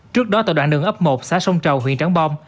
trước đó tại đoạn đường ấp một xã sông trầu huyện trắng bom